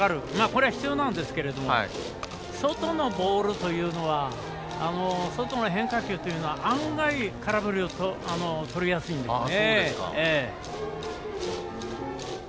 これは必要なんですけれど外の変化球というのは案外空振りをとりやすいんですね。